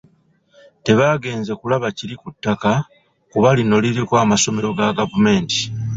Tebagenze kulaba kiri ku ttaka kuba lino liriko amasomero ga gavumenti.